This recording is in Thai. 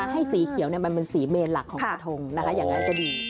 ให้สีเขียวมันเป็นสีเมนหลักของกระทงนะคะอย่างนั้นจะดี